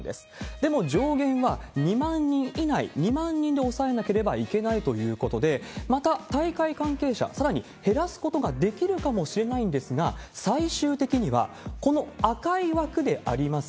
でも上限が２万人以内、２万人に抑えなければいけないということで、また大会関係者、さらに減らすことができるかもしれないんですが、最終的には、この赤い枠であります